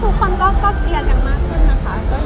คือว่าทุกคนก็เคียงกันมากขึ้นนะคะก็อย่างที่เห็นกัน